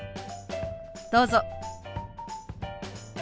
どうぞ。